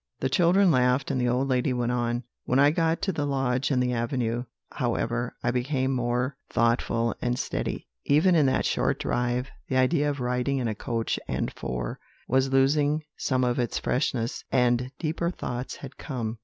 The children laughed, and the old lady went on: "When I got to the lodge and the avenue, however, I became more thoughtful and steady. Even in that short drive, the idea of riding in a coach and four was losing some of its freshness, and deeper thoughts had come.